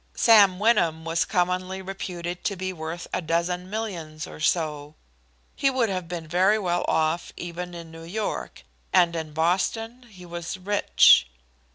Sam Wyndham was commonly reputed to be worth a dozen millions or so. He would have been very well off even in New York, and in Boston he was rich.